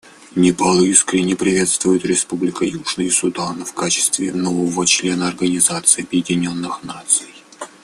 Непал искренне приветствует Республику Южный Судан в качестве нового члена Организации Объединенных Наций.